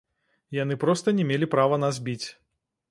Яны проста не мелі права нас біць.